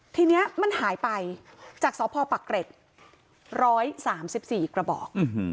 ทีเนี้ยมันหายไปจากสพปะเกร็จร้อยสามสิบสี่กระบอก